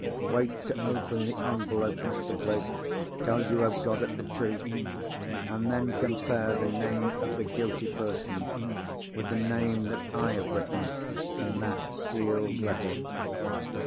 Wait to open the envelope, Mr. Blake, till you have got at the truth. And then compare the name of the guilty person, with the name that I have written in that sealed letter."